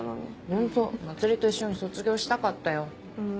ホント茉莉と一緒に卒業したかったよ。